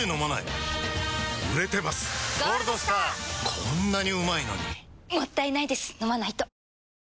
こんなにうまいのにもったいないです、飲まないと。